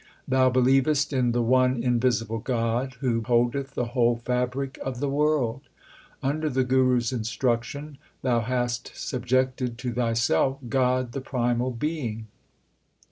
Thou believes! in the one invisible God who holdeth the whole fabric of the world. Under the Guru s instruction thou hast subjected to thy self God the primal Being.